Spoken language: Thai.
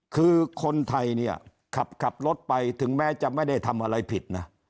คือคนไทยเนี่ยขับรถไปถึงแม้จะไม่ได้ทำอะไรผิดนะ